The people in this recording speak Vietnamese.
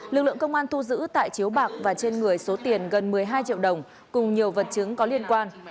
lực lượng công an thu giữ tại chiếu bạc và trên người số tiền gần một mươi hai triệu đồng cùng nhiều vật chứng có liên quan